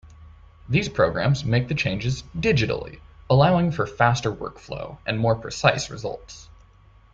These programs make the changes digitally, allowing for faster workflow and more precise results.